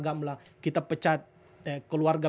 gamlah kita pecat keluarga